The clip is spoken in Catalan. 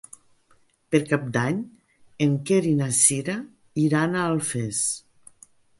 Per Cap d'Any en Quer i na Sira iran a Alfés.